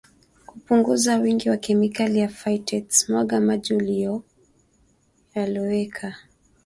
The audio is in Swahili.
Kupunguza wingi wa kemikali ya phytates mwaga maji uliyoyaloweka